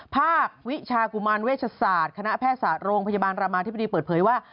ภาควิชากุมารเวชศาสตร์คณะแพทยศาสตร์โรงพยาบาลรามาธิบดีเปิดเผยว่า